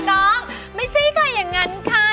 น้องไม่ใช่ไข่อย่างนั้นค่ะ